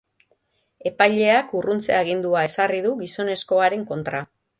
Epaileak urruntze-agindua ezarri du gizonezkoaren kontra.